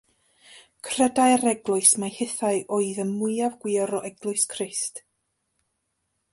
Credai'r eglwys mai hithau oedd y mwyaf gwir o eglwys Crist.